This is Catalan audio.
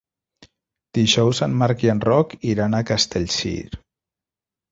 Dijous en Marc i en Roc iran a Castellcir.